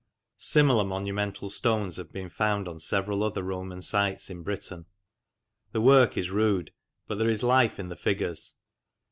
Similar monu mental stones have been found on several other Roman sites in Britain. The work is rude, but there is life in the figures.